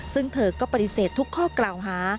ซึ่งเธอก็ปฏิเสธทุกข้อกล่าวหา